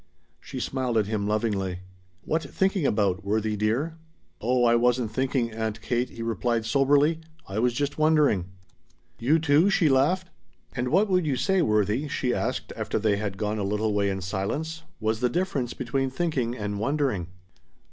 She smiled at him lovingly. "What thinking about, Worthie dear?" "Oh, I wasn't thinking, Aunt Kate," he replied soberly. "I was just wondering." "You too?" she laughed. "And what would you say, Worthie," she asked after they had gone a little way in silence, "was the difference between thinking and wondering?"